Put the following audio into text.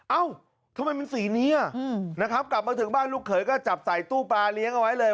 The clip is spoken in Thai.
เอ้าทำไมมันสีนี้นะครับกลับมาถึงบ้านลูกเขยก็จับใส่ตู้ปลาเลี้ยงเอาไว้เลย